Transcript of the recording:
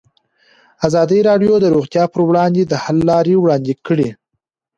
ازادي راډیو د روغتیا پر وړاندې د حل لارې وړاندې کړي.